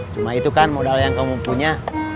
cuma itu kan modal yang kamu punya